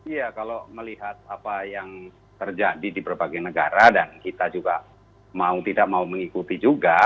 iya kalau melihat apa yang terjadi di berbagai negara dan kita juga mau tidak mau mengikuti juga